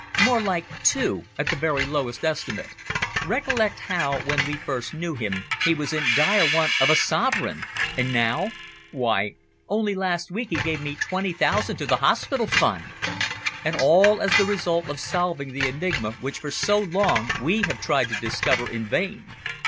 "More like two, at the very lowest estimate. Recollect how, when we first knew him, he was in dire want of a sovereign and now? Why, only last week he gave twenty thousand to the Hospital Fund. And all as the result of solving the enigma which for so long we have tried to discover in vain.